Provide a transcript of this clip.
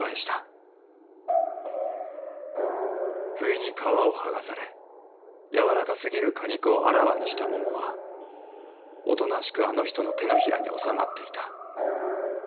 不意に皮をはがされ柔らかすぎる果肉をあらわにした桃はおとなしくあの人の掌におさまっていた。